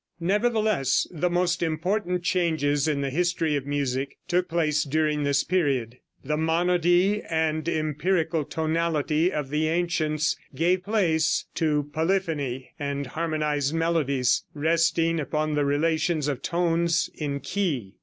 Nevertheless, the most important changes in the history of music took place during this period. The monody and empyrical tonality of the ancients gave place to polyphony and harmonized melodies resting upon the relations of tones in key.